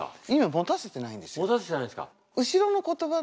持たせてないんですか。